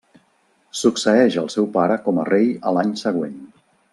Succeeix al seu pare com a rei a l'any següent.